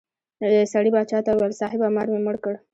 سړي باچا ته وویل صاحبه مار مې مړ کړ.